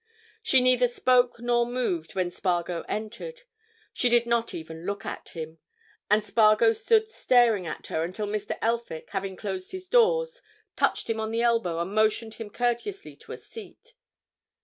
She neither spoke nor moved when Spargo entered: she did not even look at him. And Spargo stood staring at her until Mr. Elphick, having closed his doors, touched him on the elbow, and motioned him courteously to a seat.